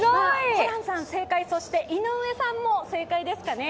ホランさん正解、そして井上さんも正解ですかね。